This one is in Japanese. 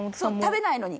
食べないのに。